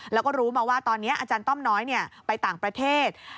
แล้วก็รู้มาว่าตอนนี้อาจารย์ต้อมน้อยไปต่างประเทศ